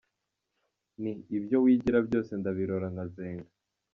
Nti “Ibyo wigira byose ndabirora nkazenga.